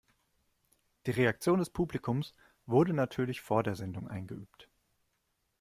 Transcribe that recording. Die Reaktion des Publikums wurde natürlich vor der Sendung eingeübt.